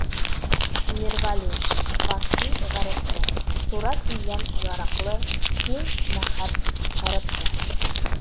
Мирвәли фарс., ғәр. — тура килгән, яраҡлы, тиң Мәхәп ғәр.